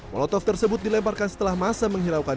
molotov tersebut dilemparkan setelah masa menghiraukan